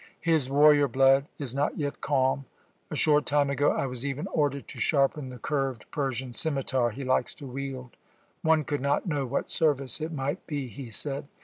His warrior blood is not yet calm. A short time ago I was even ordered to sharpen the curved Persian scimitar he likes to wield. One could not know what service it might be, he said.